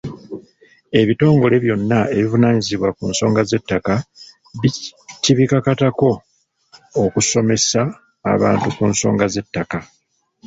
Ebitongole byonna ebivunaanyizibwa ku nsonga z'ettaka kibikakatako okusomesa abantu ku nsonga z’ettaka.